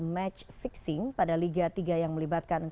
match fixing pada liga tiga yang melibatkan